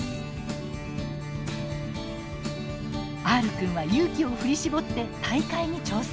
Ｒくんは勇気を振り絞って大会に挑戦。